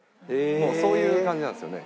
もうそういう感じなんですよね。